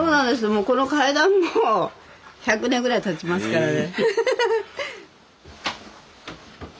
もうこの階段も１００年ぐらいたちますからね。